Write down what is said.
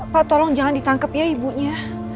pak tolong jangan ditangkap ya ibunya